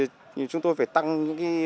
thì chúng tôi phải tăng những cái